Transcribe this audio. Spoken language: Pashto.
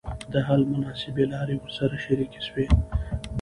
د حل مناسبي لاري ورسره شریکي سوې.